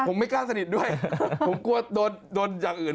ผมไม่กล้าสนิทด้วยผมกลัวโดนอย่างอื่น